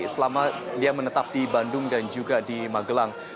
selama dia menetap di bandung dan juga di magelang